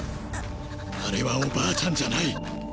あれはおばあちゃんじゃない。